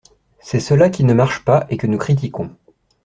C’est cela qui ne marche pas, et que nous critiquons.